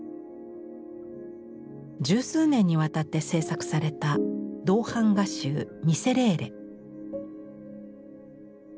十数年にわたって制作された銅版画集「ミセレーレ」。